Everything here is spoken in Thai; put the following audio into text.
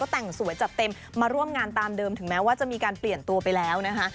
แต่งสวยจัดเต็มมาร่วมงานตามเดิมถึงแม้ว่าจะมีการเปลี่ยนตัวไปแล้วนะคะ